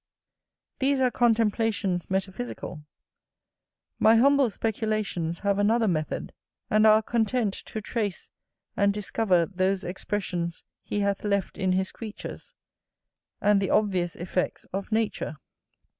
These are contemplations metaphysical: my humble speculations have another method, and are content to trace and discover those expressions he hath left in his creatures, and the obvious effects of nature.